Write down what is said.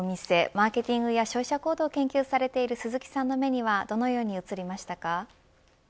マーケティングや消費者行動を研究されている鈴木さんの目にはどのように映りましたか。